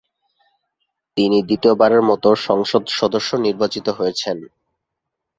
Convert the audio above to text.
তিনি দ্বিতীয়বারের মতো সংসদ সদস্য নির্বাচিত হয়েছেন।